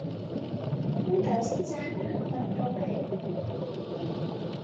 古久先生很不高興。